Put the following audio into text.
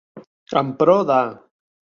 En pro de.